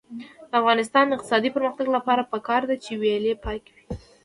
د افغانستان د اقتصادي پرمختګ لپاره پکار ده چې ویالې پاکې وي.